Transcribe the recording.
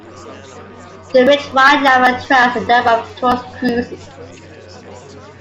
The rich wildlife attracts a number of tourists cruises.